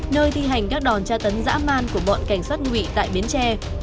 nơi thi hành các đòn tra tấn dã man của bọn cảnh sát ngụy tại bến tre